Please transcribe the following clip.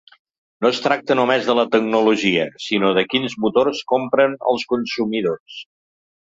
No es tracta només de la tecnologia, sinó de quins motors compren els consumidors.